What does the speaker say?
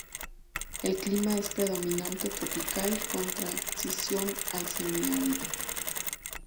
El clima es predominantemente tropical con transición al semiárido.